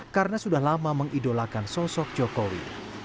karena sudah lama mengidolakan sosok jokowi